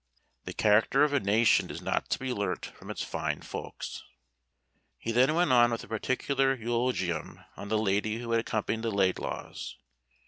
The character of a nation is not to be learnt from its fine folks." He then went on with a particular eulogium on the lady who had accompanied the Laidlaws.